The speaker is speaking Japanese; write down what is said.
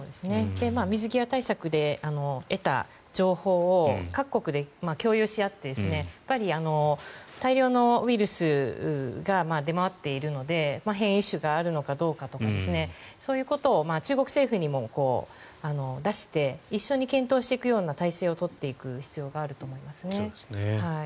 水際対策で得た情報を各国で共有し合って大量のウイルスが出回っているので変異種があるのかどうかとかそういうことを中国政府にも出して一緒に検討していくような体制を取っていく必要がありますね。